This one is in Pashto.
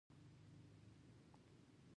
ځوانانو ته پکار ده چې، الوتنې زیاتې کړي.